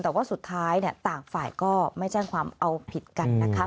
แต่ว่าสุดท้ายต่างฝ่ายก็ไม่แจ้งความเอาผิดกันนะคะ